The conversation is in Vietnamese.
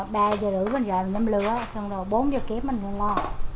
ba giờ rưỡi bánh gạo mình nấm lửa xong rồi bốn giờ kép mình luôn lo